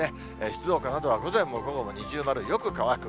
静岡などは午前も午後も二重丸、よく乾く。